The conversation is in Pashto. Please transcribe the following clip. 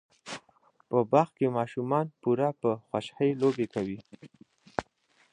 په باغ کې ماشومان په پوره خوشحۍ لوبې کوي.